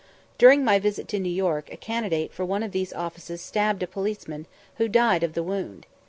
During my visit to New York a candidate for one of these offices stabbed a policeman, who died of the wound.